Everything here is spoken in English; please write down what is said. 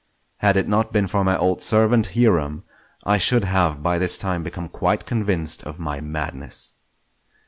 Had it not been for my old servant Hiram, I should have by this time become quite convinced of my madness.